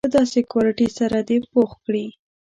په داسې کوالیټي سره دې پوخ کړي.